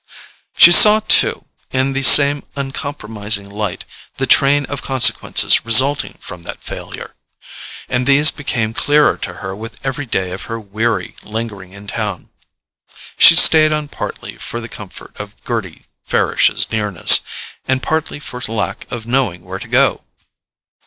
She saw, too, in the same uncompromising light, the train of consequences resulting from that failure; and these became clearer to her with every day of her weary lingering in town. She stayed on partly for the comfort of Gerty Farish's nearness, and partly for lack of knowing where to go.